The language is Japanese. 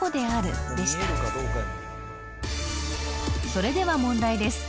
それでは問題です